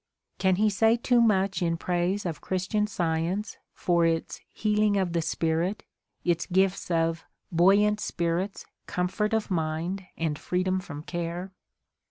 Can he say too much in praise of Christian Science for its "healing of the spirit," its gift of "buoy ant spirits, comfort of mind and freedom from care"?